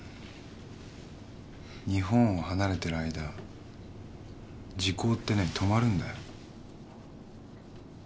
日本を離れてる間時効ってね止まるんだよ。